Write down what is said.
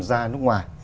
ra nước ngoài